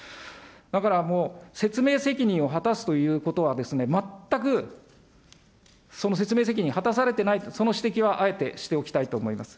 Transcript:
だからもう、説明責任を果たすということはですね、全くその説明責任、果たされてないと、その指摘はあえてしておきたいと思います。